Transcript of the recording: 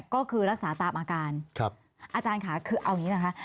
ก็คือรักษาตามอาการอาจารย์ค่ะคือเอาอย่างนี้นะคะ